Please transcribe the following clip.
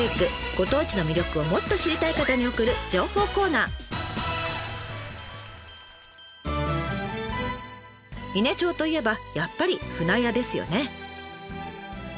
ご当地の魅力をもっと知りたい方に送る伊根町といえばやっぱり舟屋ですよね。